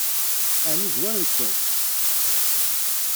Ɛni zwarent-ken?